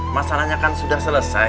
masalahnya kan sudah selesai